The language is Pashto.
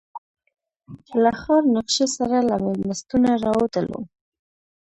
له ښار نقشې سره له مېلمستونه راووتلو.